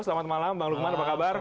selamat malam bang lukman apa kabar